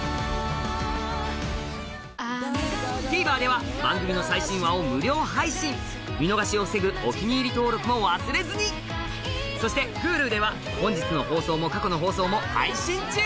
ＴＶｅｒでは番組の最新話を無料配信見逃しを防ぐ「お気に入り」登録も忘れずにそしてＨｕｌｕでは本日の放送も過去の放送も配信中！